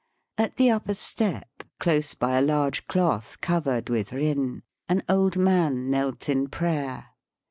At the upper step, close by a large cloth covered with riuy an old man knelt in prayer.